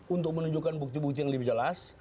untuk menunjukkan bukti bukti yang lebih jelas